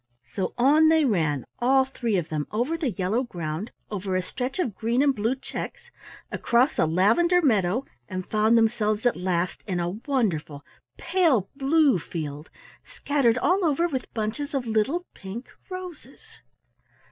So on they ran, all three of them, over the yellow ground, over a stretch of green and blue checks, across a lavender meadow, and found themselves at last in a wonderful pale blue field scattered all over with bunches of little pink roses.